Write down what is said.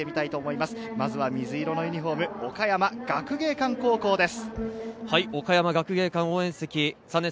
まずは水色のユニホーム、岡山学芸館高校です。